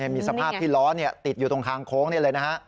มีสภาพที่ล้อติดอยู่ตรงทางโค้งนี่เลยนะฮะ